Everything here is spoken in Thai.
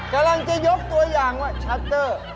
กำลังจะยกตัวอย่างว่าชัตเตอร์